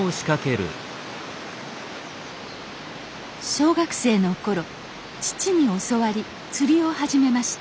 小学生の頃父に教わり釣りを始めました。